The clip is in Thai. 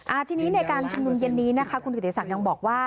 ทีนี้ในการชุมนุมเย็นนี้นะคะคุณกิติศักดิ์ยังบอกว่า